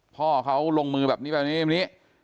พ่อเขาลงมือแบบนี้แบบนี้